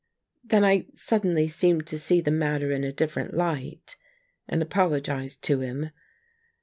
Then I suddenly 82 THE MAGNET seemed to see the matter in a different light and apologized to him.